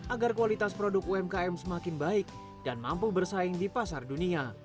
agar kualitas produk umkm semakin baik dan mampu bersaing di pasar dunia